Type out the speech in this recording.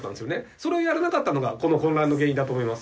それをやらなかったのがこの混乱の原因だと思います。